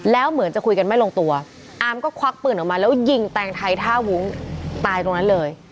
แล้วเหมือนจะคุยกันไม่ลงตัวอาร์มก็ควักปืนออกมาแล้วยิงแตงไทยท่าวุ้งตายตรงนั้นเลย